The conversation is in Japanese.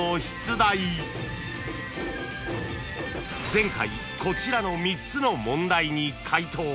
［前回こちらの３つの問題に解答］